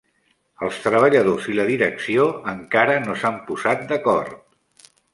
Els treballadors i la direcció encara no s'han posat d'acord.